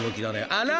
あら！